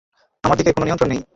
আমার দিকে কোনো নিয়ন্ত্রণ নেই।